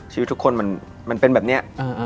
ชีวิตทุกคนมันเป็นแบบนี้